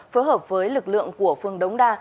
phối hợp với lực lượng của phường đống đa